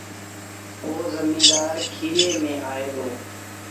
پو زميݩدآر کري ميݩ آئي دو